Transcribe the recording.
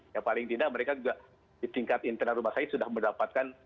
ya paling tidak mereka juga di tingkat internal rumah sakit sudah mendapatkan